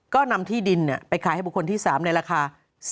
ก็นำที่ดินไปขายให้บุคคลที่๓ในราคา